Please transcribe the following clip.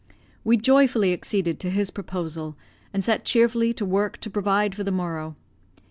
We joyfully acceded to his proposal, and set cheerfully to work to provide for the morrow.